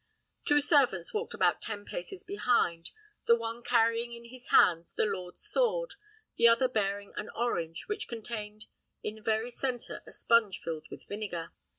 Two servants walked about ten paces behind, the one carrying in his hand his lord's sword, the other bearing an orange, which contained in the centre a sponge filled with vinegar.